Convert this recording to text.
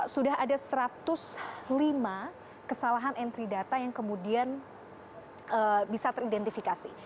sudah ada satu ratus lima kesalahan entry data yang kemudian bisa teridentifikasi